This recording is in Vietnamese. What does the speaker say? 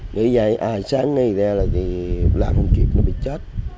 nghĩ vậy à sáng ngay ra là thì làm không kịp nó bị chết